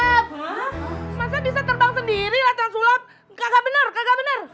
hah masa bisa terbang sendiri latihan sulap gak bener gak bener